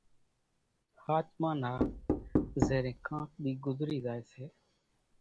ۿاچمان نا زيرين ڪانڪ ۮِي ڳزري زائي سي